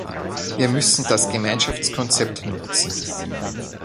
Wir müssen das Gemeinschaftskonzept nutzen.